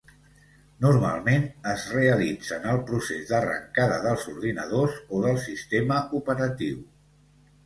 Normalment es realitza en el procés d'arrancada dels ordinadors o del sistema operatiu.